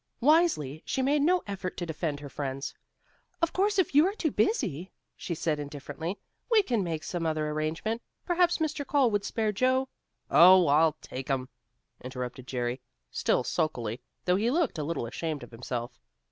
Wisely she made no effort to defend her friends. "Of course, if you are too busy," she said indifferently, "we can make some other arrangement. Perhaps Mr. Cole would spare Joe " "Oh, I'll take 'em," interrupted Jerry, still sulkily, though he looked a little ashamed of himself.